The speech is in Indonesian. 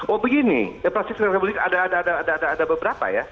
oh begini proses kundukan bukit ada beberapa ya